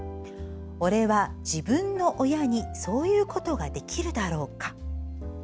「俺は、自分の親にそういうことができるだろうか」。